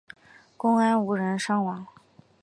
公安无人伤亡。